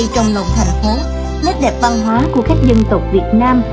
trong lòng thành phố nét đẹp văn hóa của các dân tộc việt nam